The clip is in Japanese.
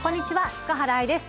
塚原愛です。